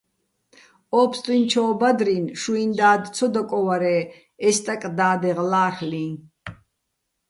ო ფსტუჲნჩო́ ბადრინ შუიჼ და́დ ცო დაკოვარე́, ე სტაკ და́დეღ ლა́რლ'იჼ.